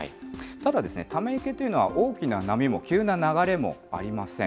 ただ、ため池というのは、大きな波も急な流れもありません。